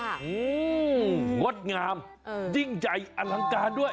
อืมงดงามดิ้งใจอลังการด้วย